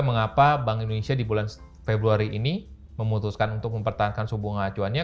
mengapa bank indonesia di bulan februari ini memutuskan untuk mempertahankan suku bunga acuannya